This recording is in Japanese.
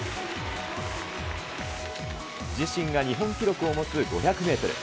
自身が日本記録を持つ５００メートル。